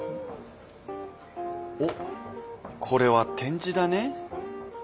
おっこれは点字だね。